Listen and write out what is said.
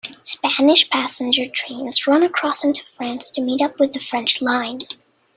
Spanish passenger trains run across into France to meet up with the French line.